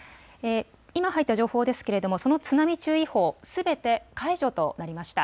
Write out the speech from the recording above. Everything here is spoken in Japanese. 今、入った情報ですけれどもその津波注意報すべて解除となりました。